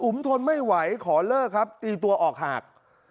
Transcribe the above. ทนไม่ไหวขอเลิกครับตีตัวออกหาก